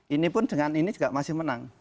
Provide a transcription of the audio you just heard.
ini pun dengan ini juga masih menang